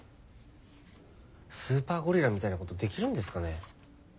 スーパーゴリラみたいなことできるんですかね？